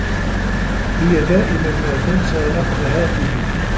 هي دائما ما تنسى رقم هاتفي.